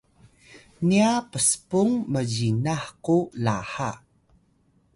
niya pspung mzinah ku laha